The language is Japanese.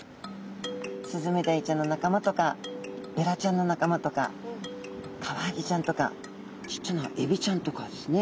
スズメダイちゃんの仲間とかベラちゃんの仲間とかカワハギちゃんとかちっちゃなエビちゃんとかですね。